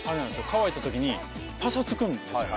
乾いた時にパサつくんですよ